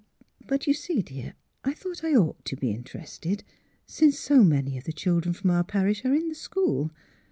" But, you see, dear, I thought I ought to be in terested, since so many of the children from our parish are in the school.